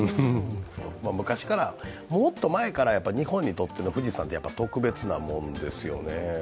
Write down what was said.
昔から、もっと前から日本にとっての富士山って特別なものですよね。